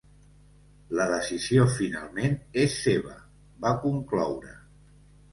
La decisió finalment és seva, va concloure.